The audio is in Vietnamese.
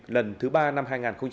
lần thứ ba năm hai nghìn hai mươi ba